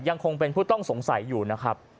ยังคงเป็นผู้ต้องสงสัยอยู่นะครับ